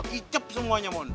kicep semuanya mohon